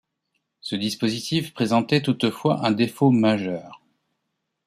Ce dispositif présentait toutefois un défaut majeur.